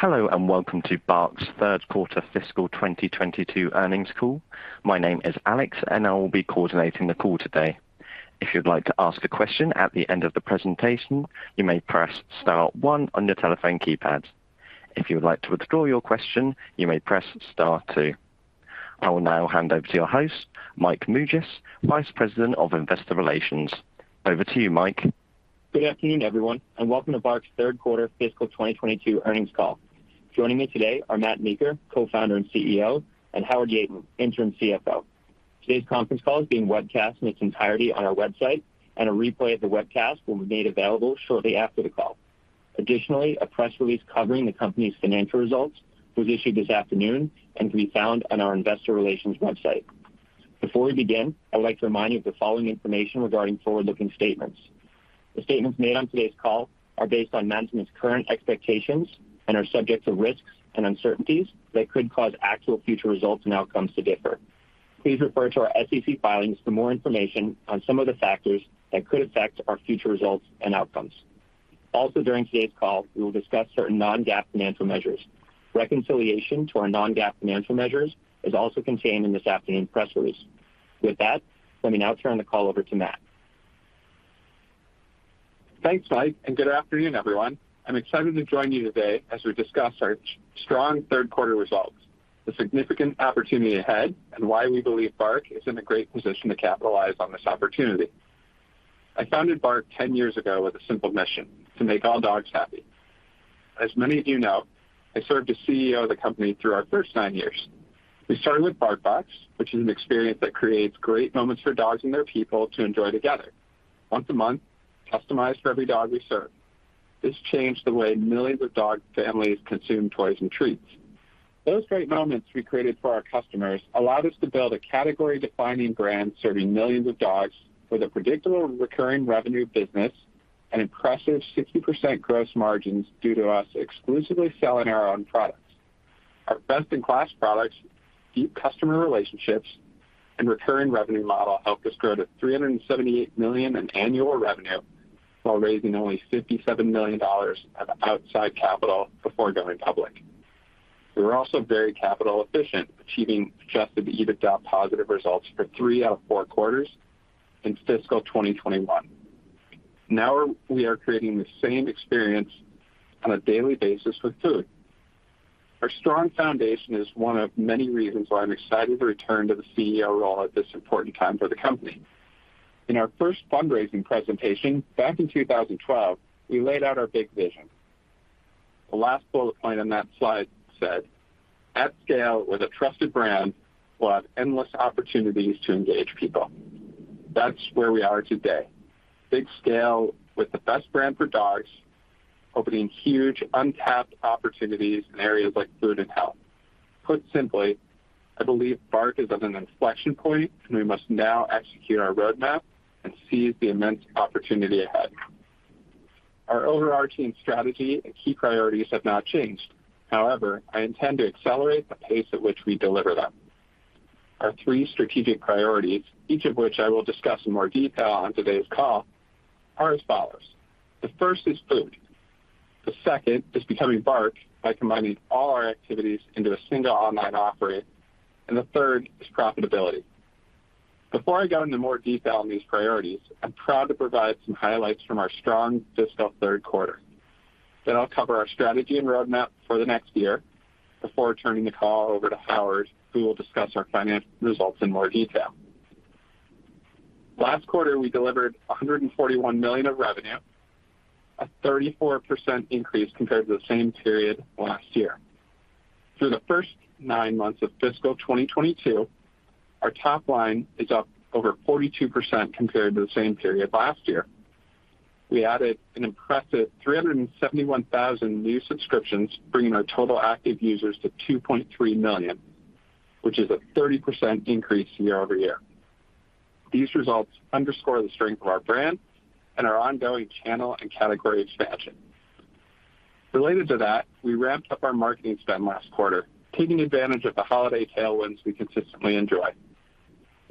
Hello, and welcome to BARK's Third Quarter Fiscal 2022 Earnings Call. My name is Alex, and I will be coordinating the call today. If you'd like to ask a question at the end of the presentation, you may press star one on your telephone keypad. If you would like to withdraw your question, you may press star two. I will now hand over to your host, Mike Mougias, Vice President of Investor Relations. Over to you, Mike. Good afternoon, everyone, and welcome to BARK's Third Quarter Fiscal 2022 Earnings Call. Joining me today are Matt Meeker, Co-founder and CEO, and Howard Yeaton, Interim CFO. Today's conference call is being webcast in its entirety on our website, and a replay of the webcast will be made available shortly after the call. Additionally, a press release covering the company's financial results was issued this afternoon and can be found on our investor relations website. Before we begin, I would like to remind you of the following information regarding forward-looking statements. The statements made on today's call are based on management's current expectations and are subject to risks and uncertainties that could cause actual future results and outcomes to differ. Please refer to our SEC filings for more information on some of the factors that could affect our future results and outcomes. Also, during today's call, we will discuss certain non-GAAP financial measures. Reconciliation to our non-GAAP financial measures is also contained in this afternoon press release. With that, let me now turn the call over to Matt. Thanks, Mike, and good afternoon, everyone. I'm excited to join you today as we discuss our strong third quarter results, the significant opportunity ahead, and why we believe BARK is in a great position to capitalize on this opportunity. I founded BARK ten years ago with a simple mission: to make all dogs happy. As many of you know, I served as CEO of the company through our first nine years. We started with BarkBox, which is an experience that creates great moments for dogs and their people to enjoy together once a month, customized for every dog we serve. This changed the way millions of dog families consume toys and treats. Those great moments we created for our customers allowed us to build a category-defining brand serving millions of dogs with a predictable recurring revenue business and impressive 60% gross margins due to us exclusively selling our own products. Our best-in-class products, deep customer relationships, and recurring revenue model helped us grow to $378 million in annual revenue while raising only $57 million of outside capital before going public. We were also very capital efficient, achieving adjusted EBITDA positive results for three out of four quarters in fiscal 2021. Now we are creating the same experience on a daily basis with food. Our strong foundation is one of many reasons why I'm excited to return to the CEO role at this important time for the company. In our first fundraising presentation back in 2012, we laid out our big vision. The last bullet point on that slide said, "At scale with a trusted brand, we'll have endless opportunities to engage people." That's where we are today. Big scale with the best brand for dogs, opening huge untapped opportunities in areas like food and health. Put simply, I believe BARK is at an inflection point, and we must now execute our roadmap and seize the immense opportunity ahead. Our overarching strategy and key priorities have not changed. However, I intend to accelerate the pace at which we deliver them. Our three strategic priorities, each of which I will discuss in more detail on today's call, are as follows. The 1st is food. The 2nd is becoming BARK by combining all our activities into a single online offering, and the 3rd is profitability. Before I go into more detail on these priorities, I'm proud to provide some highlights from our strong fiscal third quarter. I'll cover our strategy and roadmap for the next year before turning the call over to Howard, who will discuss our financial results in more detail. Last quarter, we delivered $141 million of revenue, a 34% increase compared to the same period last year. Through the first nine months of fiscal 2022, our top line is up over 42% compared to the same period last year. We added an impressive 371,000 new subscriptions, bringing our total active users to 2.3 million, which is a 30% increase year-over-year. These results underscore the strength of our brand and our ongoing channel and category expansion. Related to that, we ramped up our marketing spend last quarter, taking advantage of the holiday tailwinds we consistently enjoy.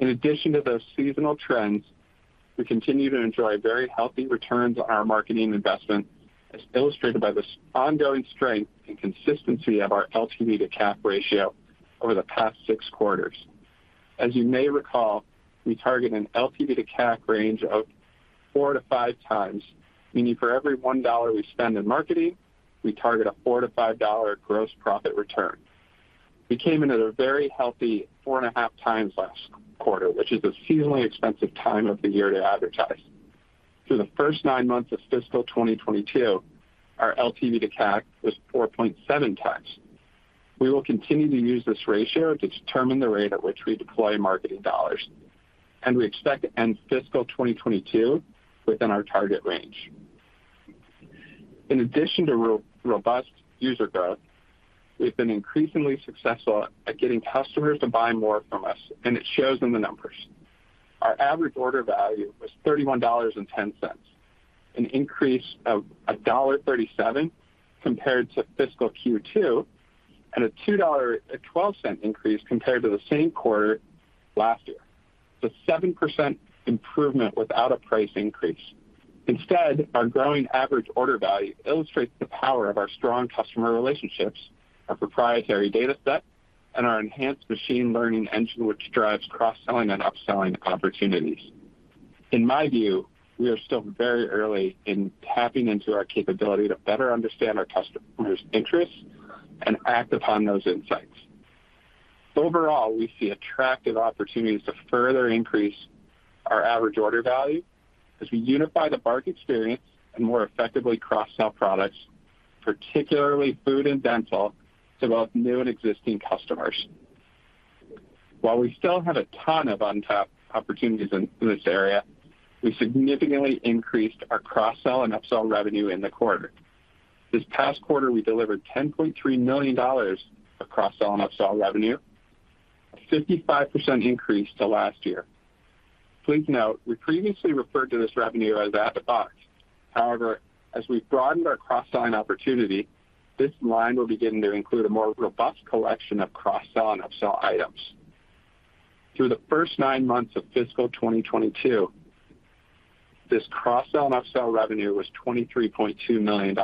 In addition to those seasonal trends, we continue to enjoy very healthy returns on our marketing investment, as illustrated by the strong ongoing strength and consistency of our LTV to CAC ratio over the past 6 quarters. As you may recall, we target an LTV to CAC range of 4-5 times, meaning for every $1 we spend in marketing, we target a $4-$5 gross profit return. We came in at a very healthy 4.5 times last quarter, which is a seasonally expensive time of the year to advertise. Through the first 9 months of fiscal 2022, our LTV to CAC was 4.7 times. We will continue to use this ratio to determine the rate at which we deploy marketing dollars, and we expect to end fiscal 2022 within our target range. In addition to robust user growth, we've been increasingly successful at getting customers to buy more from us, and it shows in the numbers. Our average order value was $31.10, an increase of $1.37 compared to fiscal Q2 and a $2.12 increase compared to the same quarter last year. A 7% improvement without a price increase. Instead, our growing average order value illustrates the power of our strong customer relationships, our proprietary data set, and our enhanced machine learning engine, which drives cross-selling and upselling opportunities. In my view, we are still very early in tapping into our capability to better understand our customers' interests and act upon those insights. Overall, we see attractive opportunities to further increase our average order value as we unify the BARK experience and more effectively cross-sell products, particularly food and dental, to both new and existing customers. While we still have a ton of untapped opportunities in this area, we significantly increased our cross-sell and upsell revenue in the quarter. This past quarter, we delivered $10.3 million of cross-sell and upsell revenue, a 55% increase to last year. Please note, we previously referred to this revenue as out-of-box. However, as we've broadened our cross-selling opportunity, this line will begin to include a more robust collection of cross-sell and upsell items. Through the first nine months of fiscal 2022, this cross-sell and upsell revenue was $23.2 million,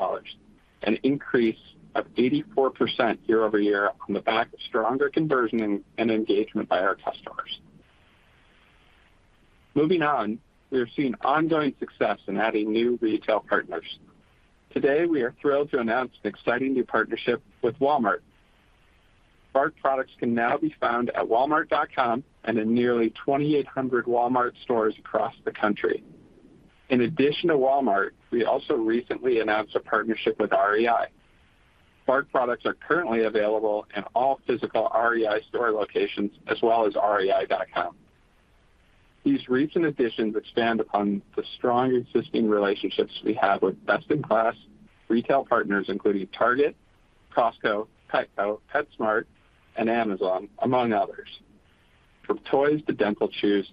an increase of 84% year-over-year on the back of stronger conversion and engagement by our customers. Moving on, we are seeing ongoing success in adding new retail partners. Today, we are thrilled to announce an exciting new partnership with Walmart. Bark products can now be found at walmart.com and in nearly 2,800 Walmart stores across the country. In addition to Walmart, we also recently announced a partnership with REI. Bark products are currently available in all physical REI store locations as well as rei.com. These recent additions expand upon the strong existing relationships we have with best-in-class retail partners including Target, Costco, Petco, PetSmart, and Amazon, among others. From toys to dental chews,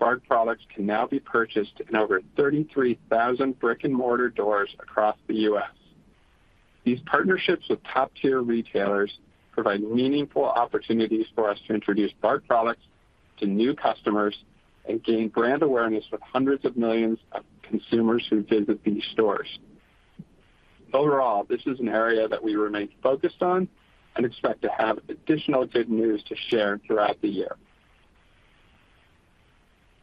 Bark products can now be purchased in over 33,000 brick-and-mortar doors across the U.S. These partnerships with top-tier retailers provide meaningful opportunities for us to introduce Bark products to new customers and gain brand awareness with hundreds of millions of consumers who visit these stores. Overall, this is an area that we remain focused on and expect to have additional good news to share throughout the year.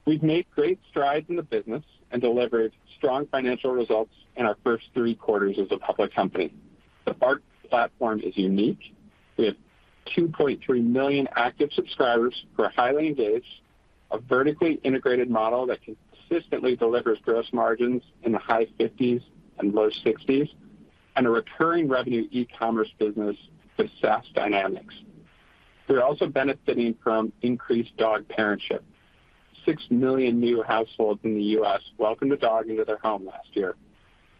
We've made great strides in the business and delivered strong financial results in our first three quarters as a public company. The BARK platform is unique. We have 2.3 million active subscribers who are highly engaged, a vertically integrated model that consistently delivers gross margins in the high 50s and low 60s, and a recurring revenue e-commerce business with SaaS dynamics. We're also benefiting from increased dog parenthood. 6 million new households in the U.S. welcomed a dog into their home last year,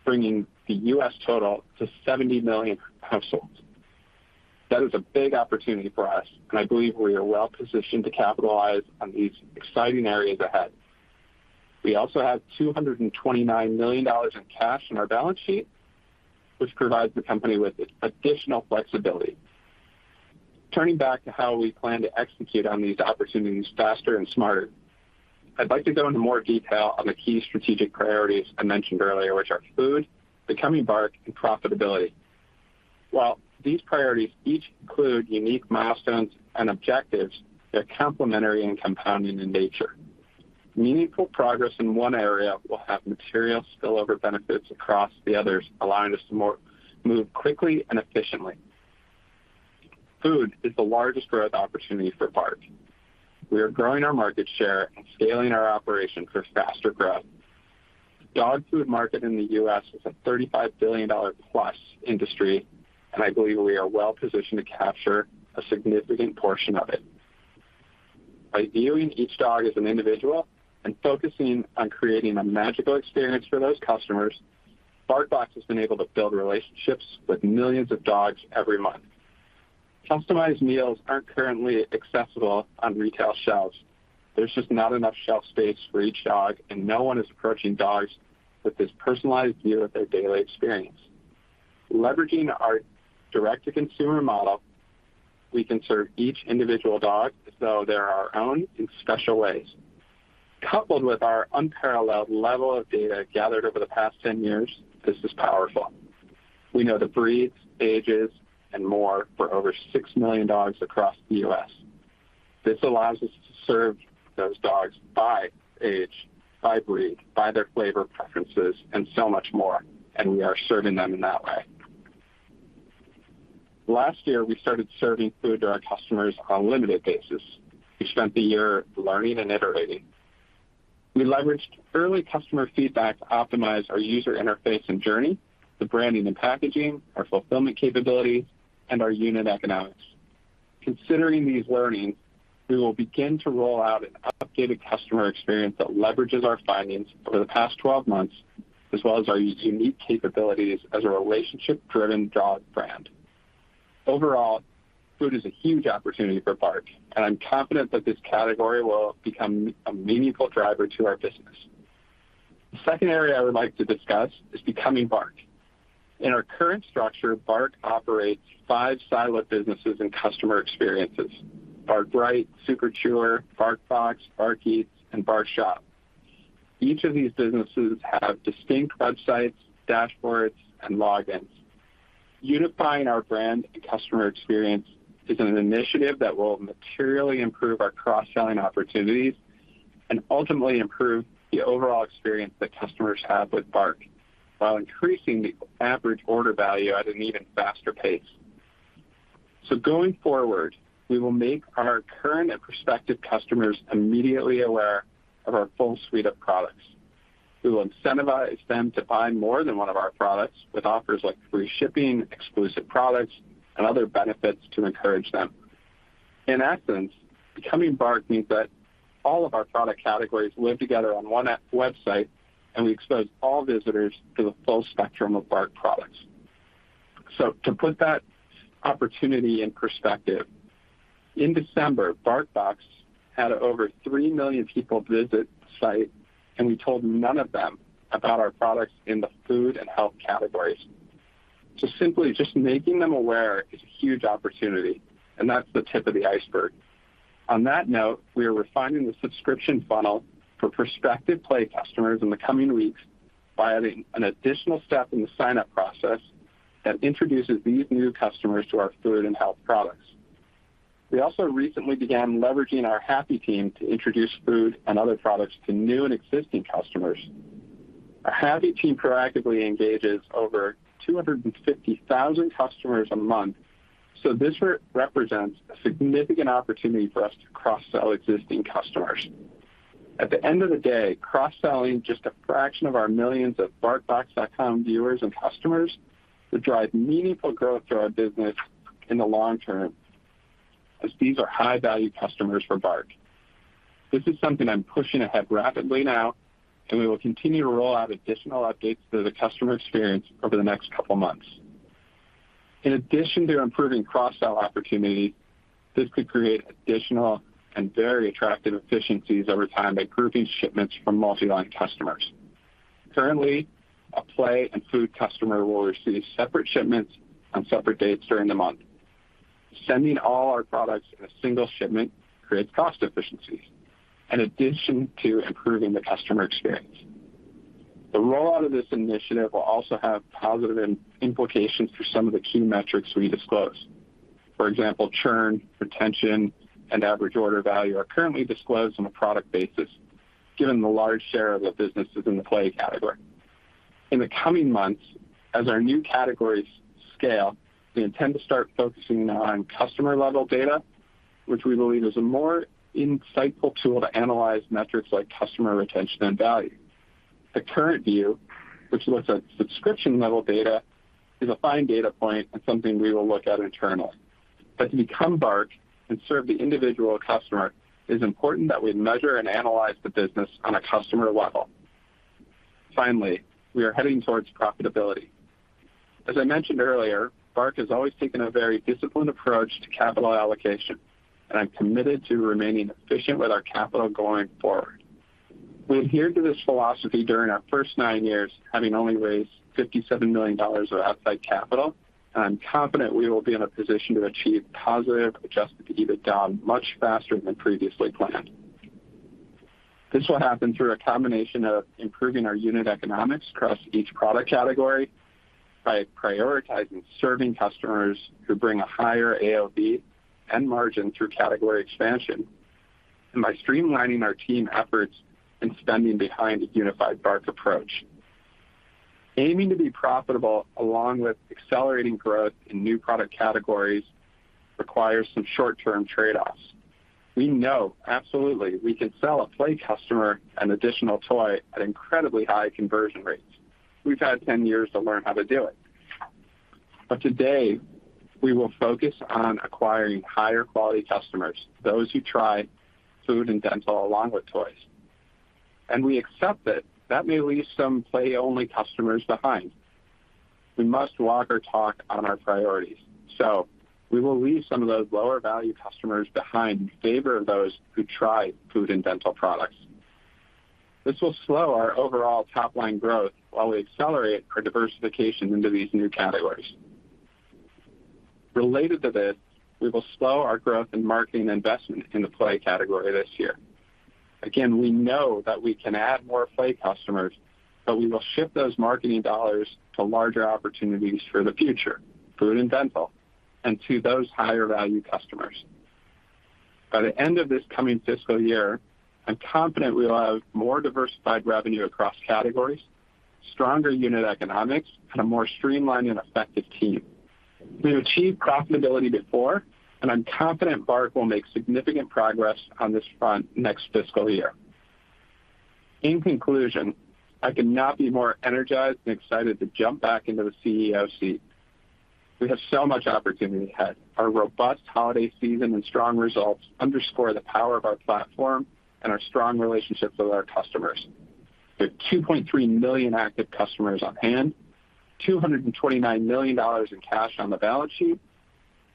bringing the U.S. total to 70 million households. That is a big opportunity for us, and I believe we are well-positioned to capitalize on these exciting areas ahead. We also have $229 million in cash on our balance sheet, which provides the company with additional flexibility. Turning back to how we plan to execute on these opportunities faster and smarter, I'd like to go into more detail on the key strategic priorities I mentioned earlier, which are food, becoming BARK, and profitability. While these priorities each include unique milestones and objectives, they're complementary and compounding in nature. Meaningful progress in one area will have material spillover benefits across the others, allowing us to move more quickly and efficiently. Food is the largest growth opportunity for BARK. We are growing our market share and scaling our operation for faster growth. The dog food market in the U.S. is a $35 billion+ industry, and I believe we are well-positioned to capture a significant portion of it. By viewing each dog as an individual and focusing on creating a magical experience for those customers, BarkBox has been able to build relationships with millions of dogs every month. Customized meals aren't currently accessible on retail shelves. There's just not enough shelf space for each dog, and no one is approaching dogs with this personalized view of their daily experience. Leveraging our direct-to-consumer model, we can serve each individual dog as though they're our own in special ways. Coupled with our unparalleled level of data gathered over the past 10 years, this is powerful. We know the breeds, ages, and more for over six million dogs across the U.S. This allows us to serve those dogs by age, by breed, by their flavor preferences, and so much more, and we are serving them in that way. Last year, we started serving food to our customers on a limited basis. We spent the year learning and iterating. We leveraged early customer feedback to optimize our user interface and journey, the branding and packaging, our fulfillment capabilities, and our unit economics. Considering these learnings, we will begin to roll out an updated customer experience that leverages our findings over the past 12 months, as well as our unique capabilities as a relationship-driven dog brand. Overall, food is a huge opportunity for BARK, and I'm confident that this category will become a meaningful driver to our business. The second area I would like to discuss is becoming BARK. In our current structure, BARK operates five siloed businesses and customer experiences, BARK Bright, Super Chewer, BarkBox, BARK Eats, and BarkShop. Each of these businesses have distinct websites, dashboards, and logins. Unifying our brand and customer experience is an initiative that will materially improve our cross-selling opportunities and ultimately improve the overall experience that customers have with BARK, while increasing the average order value at an even faster pace. Going forward, we will make our current and prospective customers immediately aware of our full suite of products. We will incentivize them to buy more than one of our products with offers like free shipping, exclusive products, and other benefits to encourage them. In essence, becoming BARK means that all of our product categories live together on one website, and we expose all visitors to the full spectrum of BARK products. To put that opportunity in perspective, in December, BarkBox had over 3 million people visit the site, and we told none of them about our products in the food and health categories. Simply just making them aware is a huge opportunity, and that's the tip of the iceberg. On that note, we are refining the subscription funnel for prospective Play customers in the coming weeks by adding an additional step in the sign-up process that introduces these new customers to our food and health products. We also recently began leveraging our Happy Team to introduce food and other products to new and existing customers. Our Happy Team proactively engages over 250,000 customers a month, so this represents a significant opportunity for us to cross-sell existing customers. At the end of the day, cross-selling just a fraction of our millions of barkbox.com viewers and customers will drive meaningful growth to our business in the long term, as these are high-value customers for BARK. This is something I'm pushing ahead rapidly now, and we will continue to roll out additional updates to the customer experience over the next couple of months. In addition to improving cross-sell opportunity, this could create additional and very attractive efficiencies over time by grouping shipments from multi-line customers. Currently, a Play and Eats customer will receive separate shipments on separate dates during the month. Sending all our products in a single shipment creates cost efficiencies in addition to improving the customer experience. The rollout of this initiative will also have positive implications for some of the key metrics we disclose. For example, churn, retention, and average order value are currently disclosed on a product basis, given the large share of the businesses in the Play category. In the coming months, as our new categories scale, we intend to start focusing on customer-level data, which we believe is a more insightful tool to analyze metrics like customer retention and value. The current view, which looks at subscription-level data, is a fine data point and something we will look at internally. But to become BARK and serve the individual customer, it is important that we measure and analyze the business on a customer level. Finally, we are heading towards profitability. As I mentioned earlier, BARK has always taken a very disciplined approach to capital allocation, and I'm committed to remaining efficient with our capital going forward. We adhered to this philosophy during our first nine years, having only raised $57 million of outside capital. I'm confident we will be in a position to achieve positive, adjusted EBITDA much faster than previously planned. This will happen through a combination of improving our unit economics across each product category by prioritizing serving customers who bring a higher AOV and margin through category expansion, and by streamlining our team efforts and spending behind a unified BARK approach. Aiming to be profitable along with accelerating growth in new product categories requires some short-term trade-offs. We know absolutely we can sell a Play customer an additional toy at incredibly high conversion rates. We've had 10 years to learn how to do it. Today, we will focus on acquiring higher-quality customers, those who try food and dental along with toys. We accept that that may leave some Play-only customers behind. We must walk our talk on our priorities, so we will leave some of those lower-value customers behind in favor of those who try food and dental products. This will slow our overall top-line growth while we accelerate our diversification into these new categories. Related to this, we will slow our growth in marketing investment in the Play category this year. Again, we know that we can add more Play customers, but we will shift those marketing dollars to larger opportunities for the future, food and dental, and to those higher-value customers. By the end of this coming fiscal year, I'm confident we will have more diversified revenue across categories, stronger unit economics, and a more streamlined and effective team. We've achieved profitability before, and I'm confident BARK will make significant progress on this front next fiscal year. In conclusion, I could not be more energized and excited to jump back into the CEO seat. We have so much opportunity ahead. Our robust holiday season and strong results underscore the power of our platform and our strong relationships with our customers. With 2.3 million active customers on hand, $229 million in cash on the balance sheet,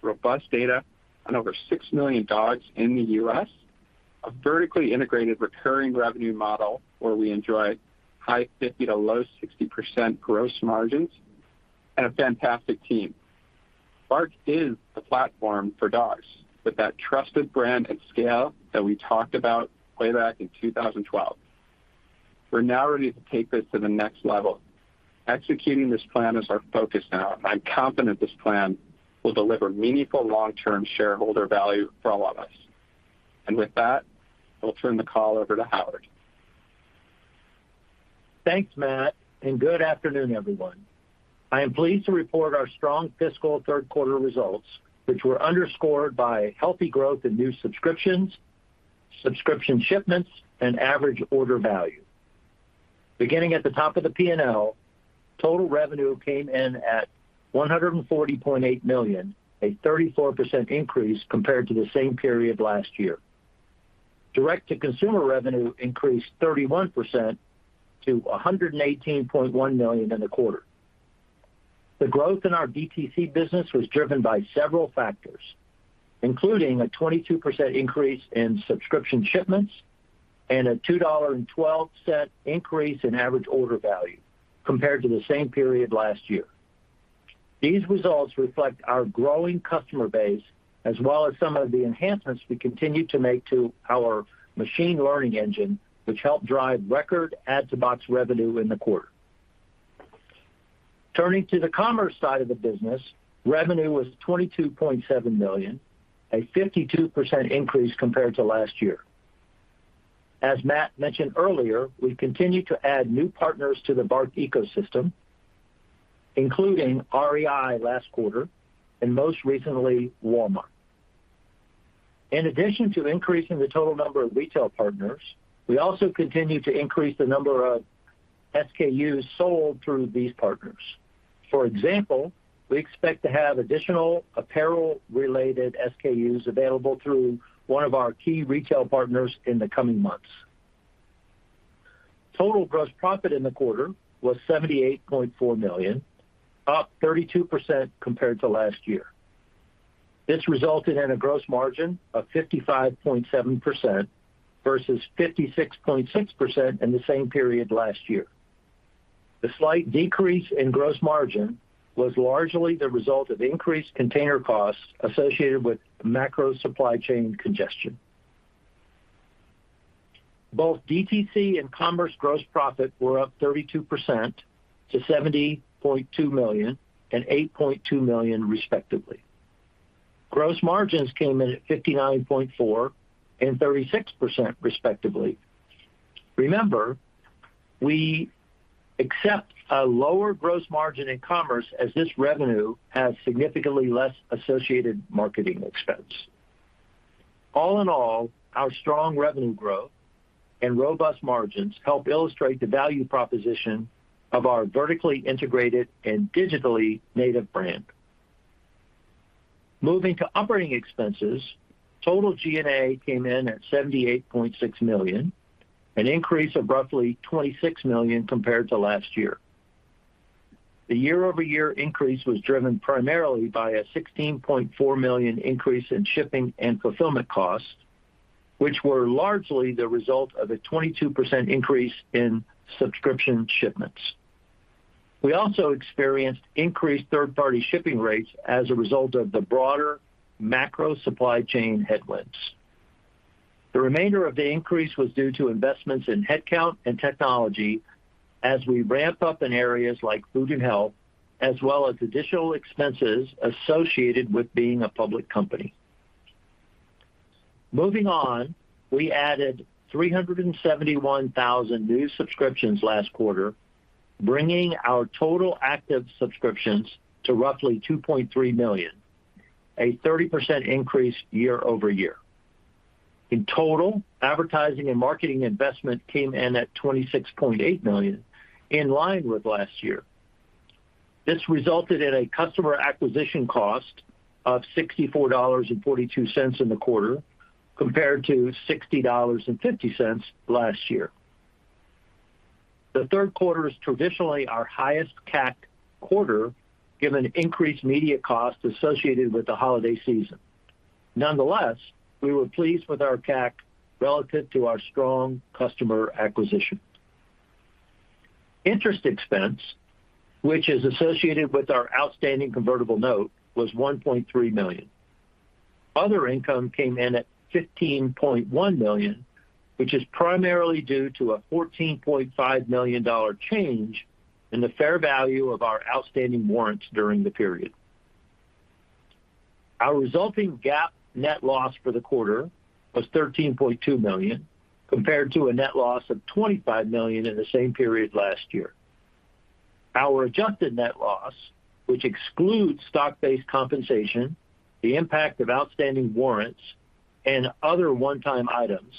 robust data on over six million dogs in the U.S., a vertically integrated recurring revenue model where we enjoy high 50%-low 60% gross margins, and a fantastic team. BARK is the platform for dogs with that trusted brand and scale that we talked about way back in 2012. We're now ready to take this to the next level. Executing this plan is our focus now. I'm confident this plan will deliver meaningful long-term shareholder value for all of us. With that, I'll turn the call over to Howard. Thanks, Matt, and good afternoon, everyone. I am pleased to report our strong fiscal third quarter results, which were underscored by healthy growth in new subscriptions, subscription shipments, and average order value. Beginning at the top of the P&L, total revenue came in at $140.8 million, a 34% increase compared to the same period last year. Direct-to-consumer revenue increased 31% to $118.1 million in the quarter. The growth in our DTC business was driven by several factors, including a 22% increase in subscription shipments and a $2.12 increase in average order value compared to the same period last year. These results reflect our growing customer base as well as some of the enhancements we continue to make to our machine learning engine, which helped drive record Add-to-Box revenue in the quarter. Turning to the commerce side of the business, revenue was $22.7 million, a 52% increase compared to last year. As Matt mentioned earlier, we continue to add new partners to the BARK ecosystem, including REI last quarter, and most recently, Walmart. In addition to increasing the total number of retail partners, we also continue to increase the number of SKUs sold through these partners. For example, we expect to have additional apparel-related SKUs available through one of our key retail partners in the coming months. Total gross profit in the quarter was $78.4 million, up 32% compared to last year. This resulted in a gross margin of 55.7% versus 56.6% in the same period last year. The slight decrease in gross margin was largely the result of increased container costs associated with macro supply chain congestion. Both DTC and Commerce gross profit were up 32% to $70.2 million and $8.2 million, respectively. Gross margins came in at 59.4% and 36%, respectively. Remember, we accept a lower gross margin in Commerce as this revenue has significantly less associated marketing expense. All in all, our strong revenue growth and robust margins help illustrate the value proposition of our vertically integrated and digitally native brand. Moving to operating expenses, total G&A came in at $78.6 million, an increase of roughly $26 million compared to last year. The year-over-year increase was driven primarily by a $16.4 million increase in shipping and fulfillment costs, which were largely the result of a 22% increase in subscription shipments. We also experienced increased third-party shipping rates as a result of the broader macro supply chain headwinds. The remainder of the increase was due to investments in headcount and technology as we ramp up in areas like food and health, as well as additional expenses associated with being a public company. Moving on, we added 371,000 new subscriptions last quarter, bringing our total active subscriptions to roughly 2.3 million, a 30% increase year-over-year. In total, advertising and marketing investment came in at $26.8 million, in line with last year. This resulted in a customer acquisition cost of $64.42 in the quarter, compared to $60.50 last year. The third quarter is traditionally our highest CAC quarter, given increased media costs associated with the holiday season. Nonetheless, we were pleased with our CAC relative to our strong customer acquisition. Interest expense, which is associated with our outstanding convertible note, was $1.3 million. Other income came in at $15.1 million, which is primarily due to a $14.5 million change in the fair value of our outstanding warrants during the period. Our resulting GAAP net loss for the quarter was $13.2 million, compared to a net loss of $25 million in the same period last year. Our adjusted net loss, which excludes stock-based compensation, the impact of outstanding warrants, and other one-time items,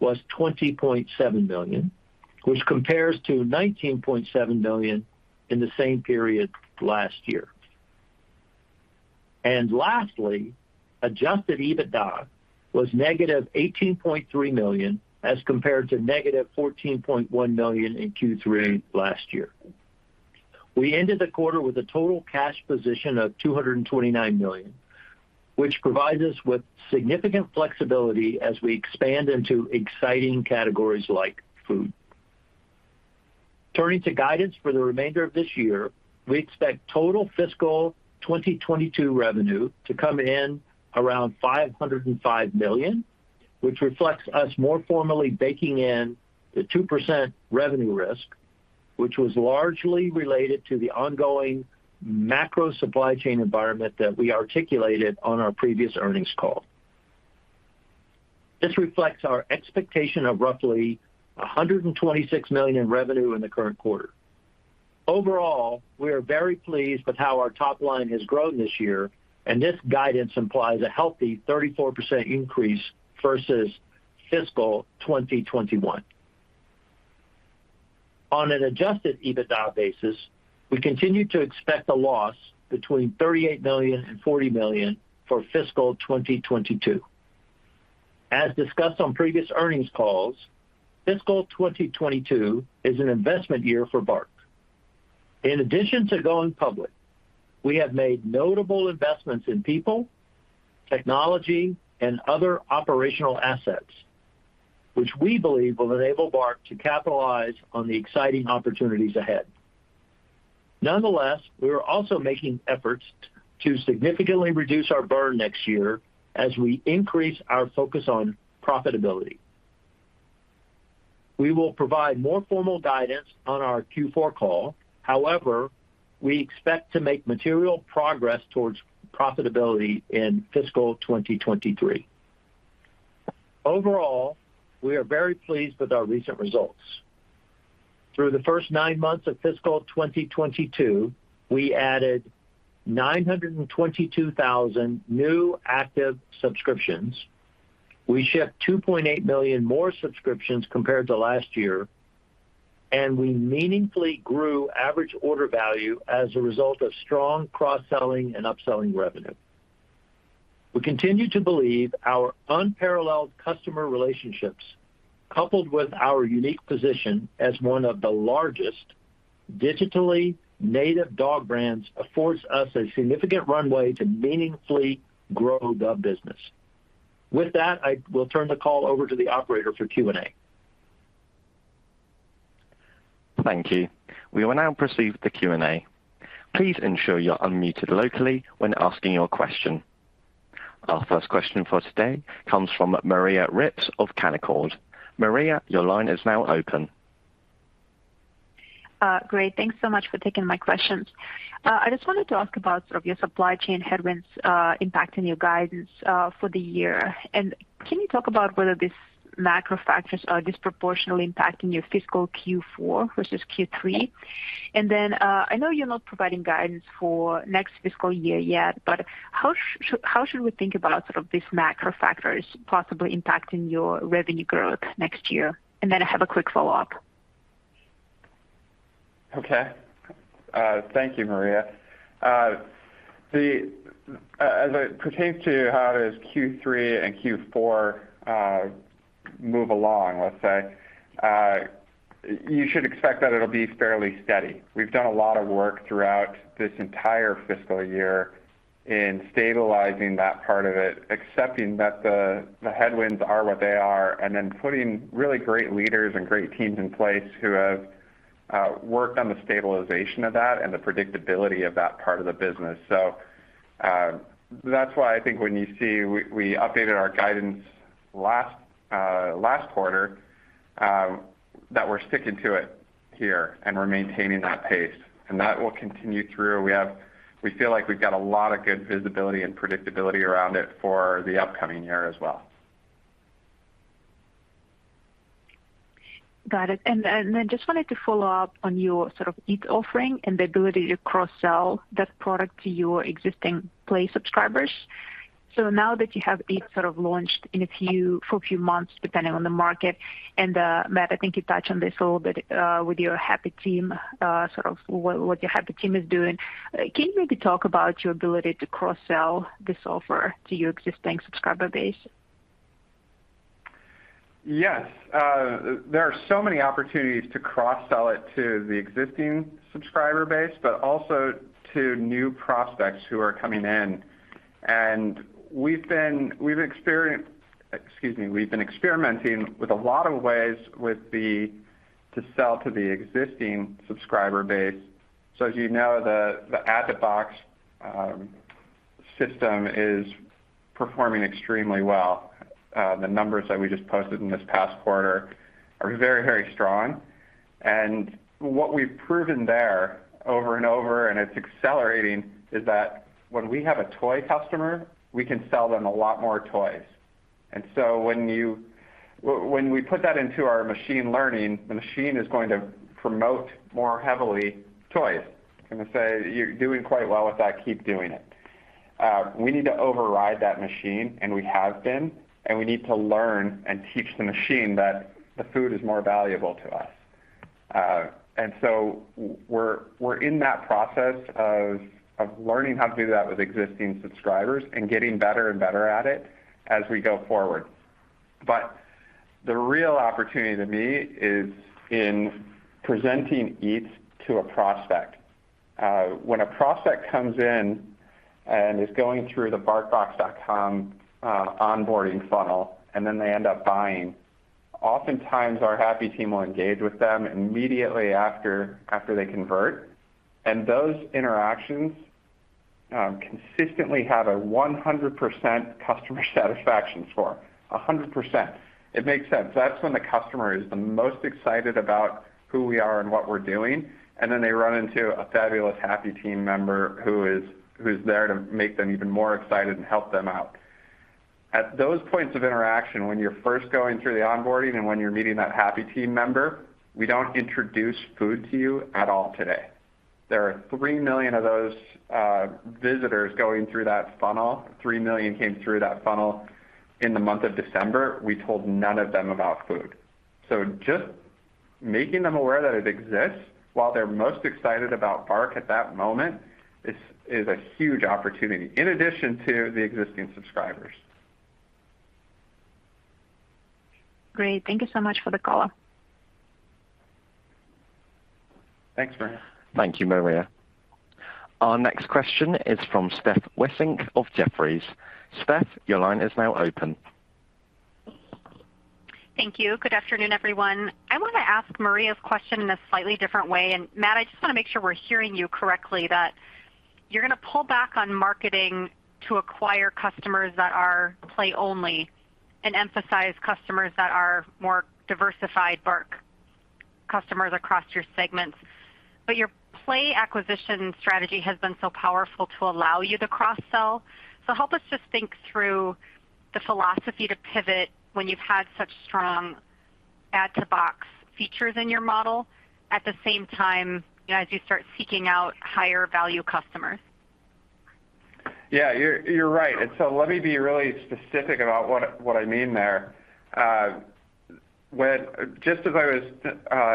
was $20.7 million, which compares to $19.7 million in the same period last year. Lastly, adjusted EBITDA was -$18.3 million as compared to -$14.1 million in Q3 last year. We ended the quarter with a total cash position of $229 million, which provides us with significant flexibility as we expand into exciting categories like food. Turning to guidance for the remainder of this year, we expect total fiscal 2022 revenue to come in around $505 million, which reflects us more formally baking in the 2% revenue risk, which was largely related to the ongoing macro supply chain environment that we articulated on our previous earnings call. This reflects our expectation of roughly $126 million in revenue in the current quarter. Overall, we are very pleased with how our top line has grown this year, and this guidance implies a healthy 34% increase versus fiscal 2021. On an adjusted EBITDA basis, we continue to expect a loss between $38 million and $40 million for fiscal 2022. As discussed on previous earnings calls, fiscal 2022 is an investment year for BARK. In addition to going public, we have made notable investments in people, technology, and other operational assets, which we believe will enable BARK to capitalize on the exciting opportunities ahead. Nonetheless, we are also making efforts to significantly reduce our burn next year as we increase our focus on profitability. We will provide more formal guidance on our Q4 call. However, we expect to make material progress towards profitability in fiscal 2023. Overall, we are very pleased with our recent results. Through the first nine months of fiscal 2022, we added 922,000 new active subscriptions. We shipped 2.8 million more subscriptions compared to last year, and we meaningfully grew average order value as a result of strong cross-selling and upselling revenue. We continue to believe our unparalleled customer relationships, coupled with our unique position as one of the largest digitally native dog brands, affords us a significant runway to meaningfully grow the business. With that, I will turn the call over to the operator for Q&A. Thank you. We will now proceed with the Q&A. Please ensure you're unmuted locally when asking your question. Our first question for today comes from Maria Ripps of Canaccord. Maria, your line is now open. Great. Thanks so much for taking my questions. I just wanted to ask about sort of your supply chain headwinds, impacting your guidance, for the year. Can you talk about whether these macro factors are disproportionately impacting your fiscal Q4 versus Q3? I know you're not providing guidance for next fiscal year yet, but how should we think about sort of these macro factors possibly impacting your revenue growth next year? I have a quick follow-up. Okay. Thank you, Maria. As it pertains to how Q3 and Q4 move along, let's say, you should expect that it'll be fairly steady. We've done a lot of work throughout this entire fiscal year in stabilizing that part of it, accepting that the headwinds are what they are, and then putting really great leaders and great teams in place who have worked on the stabilization of that and the predictability of that part of the business. That's why I think when you see we updated our guidance last quarter, that we're sticking to it here, and we're maintaining that pace. That will continue through. We feel like we've got a lot of good visibility and predictability around it for the upcoming year as well. Got it. I just wanted to follow up on your sort of Eats offering and the ability to cross-sell that product to your existing Play subscribers. Now that you have Eats sort of launched for a few months, depending on the market, Matt, I think you touched on this a little bit with your Happy Team, sort of what your Happy Team is doing, can you maybe talk about your ability to cross-sell this offer to your existing subscriber base? Yes. There are so many opportunities to cross-sell it to the existing subscriber base, but also to new prospects who are coming in. We've been experimenting with a lot of ways to sell to the existing subscriber base. As you know, the Add-to-Box system is performing extremely well. The numbers that we just posted in this past quarter are very, very strong. What we've proven there over and over, and it's accelerating, is that when we have a toy customer, we can sell them a lot more toys. When we put that into our machine learning, the machine is going to promote more heavily toys. It's gonna say, "You're doing quite well with that, keep doing it." We need to override that machine, and we have been, and we need to learn and teach the machine that the food is more valuable to us. We're in that process of learning how to do that with existing subscribers and getting better and better at it as we go forward. The real opportunity to me is in presenting Eats to a prospect. When a prospect comes in and is going through the barkbox.com onboarding funnel, and then they end up buying, oftentimes our Happy Team will engage with them immediately after they convert, and those interactions consistently have a 100% customer satisfaction score. 100%. It makes sense. That's when the customer is the most excited about who we are and what we're doing, and then they run into a fabulous Happy Team member who's there to make them even more excited and help them out. At those points of interaction, when you're first going through the onboarding and when you're meeting that Happy Team member, we don't introduce food to you at all today. There are 3 million of those visitors going through that funnel. 3 million came through that funnel in the month of December. We told none of them about food. Just making them aware that it exists while they're most excited about BARK at that moment is a huge opportunity in addition to the existing subscribers. Great. Thank you so much for the color. Thanks, Maria. Thank you, Maria. Our next question is from Stephanie Wissink of Jefferies. Steph, your line is now open. Thank you. Good afternoon, everyone. I wanna ask Maria's question in a slightly different way. Matt, I just wanna make sure we're hearing you correctly, that you're gonna pull back on marketing to acquire customers that are Play only and emphasize customers that are more diversified BARK customers across your segments. Your Play acquisition strategy has been so powerful to allow you to cross-sell. Help us just think through the philosophy to pivot when you've had such strong Add-to-Box features in your model, at the same time, you know, as you start seeking out higher value customers. Yeah, you're right. Let me be really specific about what I mean there. Just as I was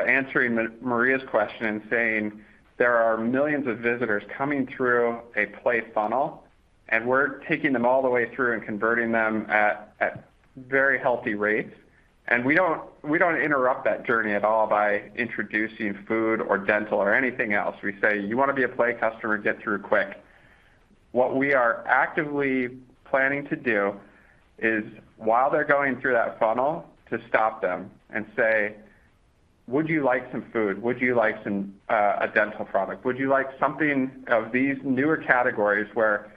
answering Maria's question in saying there are millions of visitors coming through a Play funnel, and we're taking them all the way through and converting them at very healthy rates. We don't interrupt that journey at all by introducing food or dental or anything else. We say, "You wanna be a Play customer, get through quick." What we are actively planning to do is while they're going through that funnel, to stop them and say, "Would you like some food? Would you like some a dental product? Would you like something of these newer categories where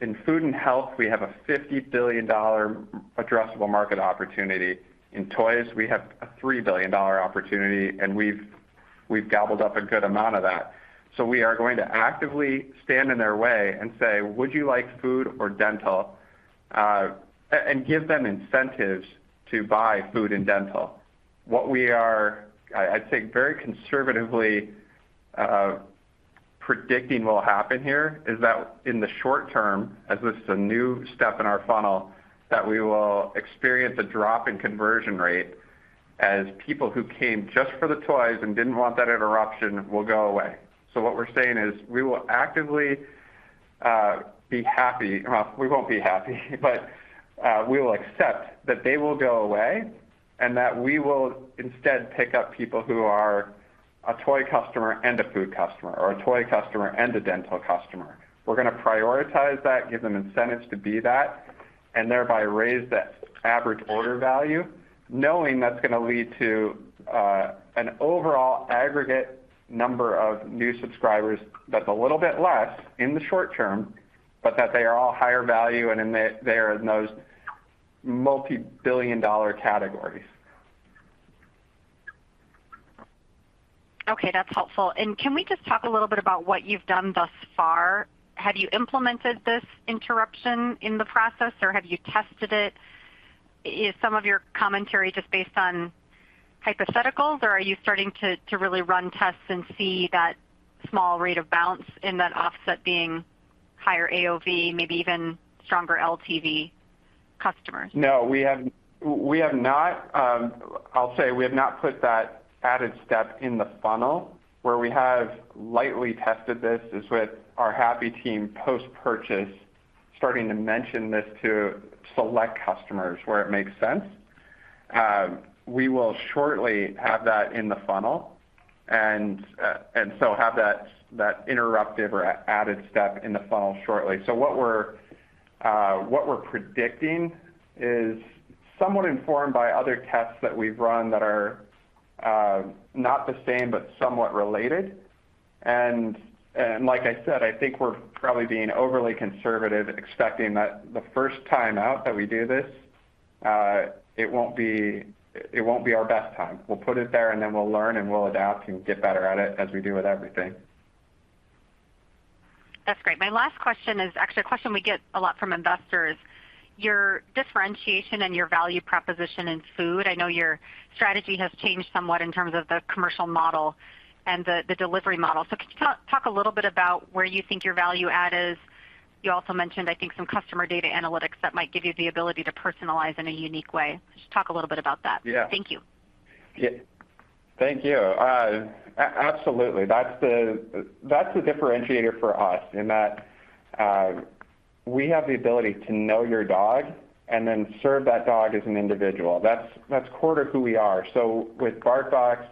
in food and health we have a $50 billion addressable market opportunity. In toys, we have a $3 billion opportunity, and we've gobbled up a good amount of that. We are going to actively stand in their way and say, "Would you like food or dental?" And give them incentives to buy food and dental. What we are, I'd say, very conservatively, predicting will happen here is that in the short term, as this is a new step in our funnel, that we will experience a drop in conversion rate as people who came just for the toys and didn't want that interruption will go away. What we're saying is, we will actively be happy. Well, we won't be happy, but we will accept that they will go away and that we will instead pick up people who are a toy customer and a food customer, or a toy customer and a dental customer. We're gonna prioritize that, give them incentives to be that, and thereby raise the average order value, knowing that's gonna lead to an overall aggregate number of new subscribers that's a little bit less in the short term, but that they are all higher value and there in those multi-billion dollar categories. Okay, that's helpful. Can we just talk a little bit about what you've done thus far? Have you implemented this interruption in the process or have you tested it? Is some of your commentary just based on hypotheticals, or are you starting to really run tests and see that small rate of bounce in that offset being higher AOV, maybe even stronger LTV customers? No. We have not put that added step in the funnel. Where we have lightly tested this is with our Happy Team post-purchase, starting to mention this to select customers where it makes sense. We will shortly have that in the funnel and have that interruptive or added step in the funnel shortly. What we're predicting is somewhat informed by other tests that we've run that are not the same, but somewhat related. Like I said, I think we're probably being overly conservative expecting that the first time out that we do this, it won't be our best time. We'll put it there, and then we'll learn, and we'll adapt and get better at it as we do with everything. That's great. My last question is actually a question we get a lot from investors. Your differentiation and your value proposition in food, I know your strategy has changed somewhat in terms of the commercial model and the delivery model. Could you talk a little bit about where you think your value add is? You also mentioned, I think, some customer data analytics that might give you the ability to personalize in a unique way. Just talk a little bit about that. Yeah. Thank you. Yeah. Thank you. Absolutely. That's the differentiator for us in that we have the ability to know your dog and then serve that dog as an individual. That's core to who we are. With BarkBox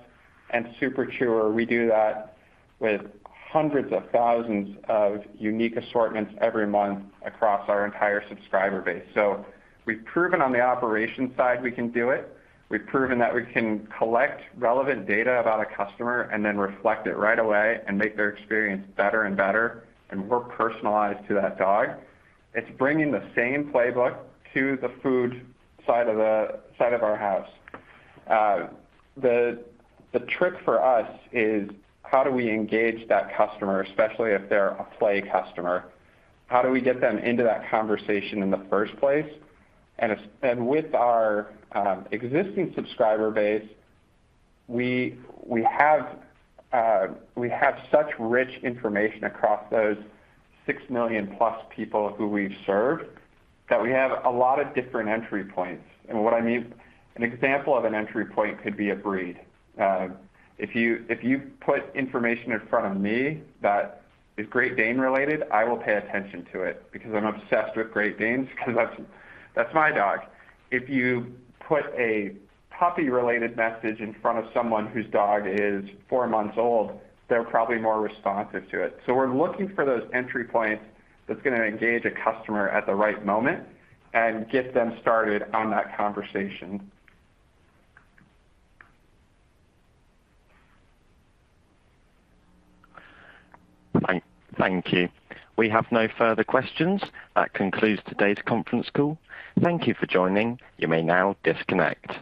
and Super Chewer, we do that with hundreds of thousands of unique assortments every month across our entire subscriber base. We've proven on the operation side we can do it. We've proven that we can collect relevant data about a customer and then reflect it right away and make their experience better and better and more personalized to that dog. It's bringing the same playbook to the food side of our house. The trick for us is how do we engage that customer, especially if they're a play customer? How do we get them into that conversation in the first place? With our existing subscriber base, we have such rich information across those 6 million+ people who we've served, that we have a lot of different entry points. What I mean, an example of an entry point could be a breed. If you put information in front of me that is Great Dane related, I will pay attention to it because I'm obsessed with Great Danes because that's my dog. If you put a puppy related message in front of someone whose dog is four months old, they're probably more responsive to it. We're looking for those entry points that's gonna engage a customer at the right moment and get them started on that conversation. Thank you. We have no further questions. That concludes today's conference call. Thank you for joining. You may now disconnect.